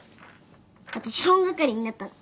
わたし本係になったの。